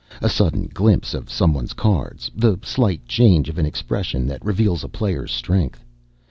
A sudden glimpse of someone's cards, the slight change of expression that reveals a player's strength.